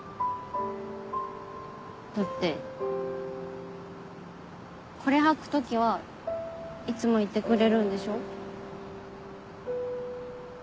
だってこれ履く時はいつもいてくれるんでしょ？